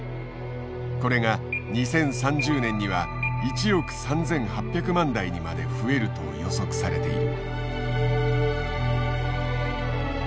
これが２０３０年には１億３，８００万台にまで増えると予測されている。